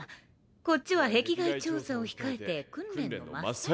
こっちは壁外調査を控えて訓練の真っ最中だ。